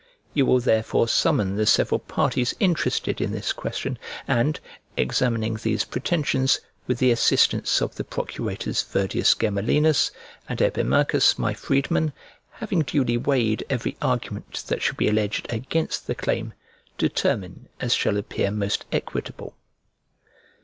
You will therefore summon the several parties interested in this question, and, examining these pretensions, with the assistance of the procurators Virdius Gemellinus, and Epimachus, my freedman (having duly weighed every argument that shall be alleged against the claim), determine as shall appear most equitable.